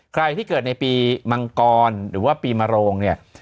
ใครที่เกิดในปีมังกรหรือว่าปีมโรงเนี่ย